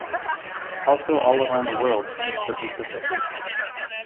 Also all around the world into the Pacific.